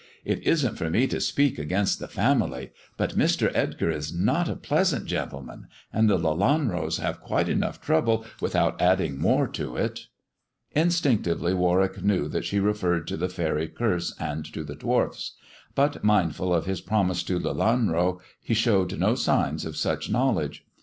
It isn't for me to speak against the family ; but Mr. Edgar is not a pleasant gentleman, and the Lelanros have quite enough trouble without adding more to it." Instinctively "Warwick knew that she referred to the faery curse and to the dwarfs ; but mindful of his promise to Lelanro, he showed no signs of such knowledge.